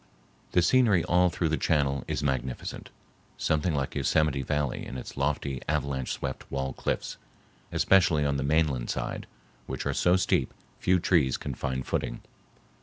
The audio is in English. The scenery all through the channel is magnificent, something like Yosemite Valley in its lofty avalanche swept wall cliffs, especially on the mainland side, which are so steep few trees can find footing.